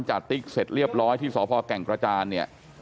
ติ๊กเสร็จเรียบร้อยที่สพแก่งกระจานเนี่ย